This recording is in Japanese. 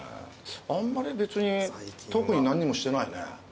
あんまり別に特に何にもしてないね。